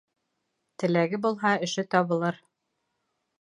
Теләге булһа, эше табылыр.